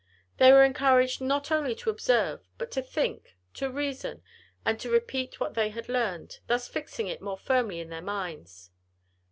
They were encouraged not only to observe, but to think, to reason, and to repeat what they had learned; thus fixing it more firmly in their minds.